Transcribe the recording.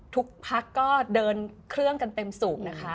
ทุกพักก็เดินเครื่องกันเต็มสูบนะคะ